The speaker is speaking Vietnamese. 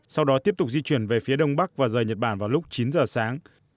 sau đó tiếp tục di chuyển về phía đông bắc và rời nhật bản vào lúc chín giờ sáng